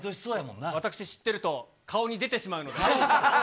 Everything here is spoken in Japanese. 私、知ってると顔に出てしまそうか。